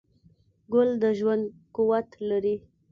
ګل د ژوند قوت لري.